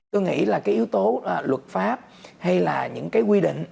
tôi nghĩ là cái yếu tố luật pháp hay là những cái quy định